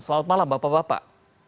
selamat malam bapak bapak